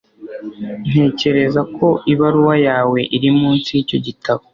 Ntekereza ko ibaruwa yawe iri munsi yicyo gitabo.